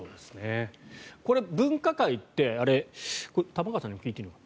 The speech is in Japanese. これ、分科会って玉川さんに聞いていいのかな。